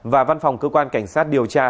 và văn phòng cơ quan cảnh sát điều tra